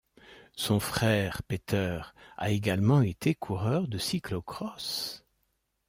Son frère Peter a également été coureur de cyclo-cross.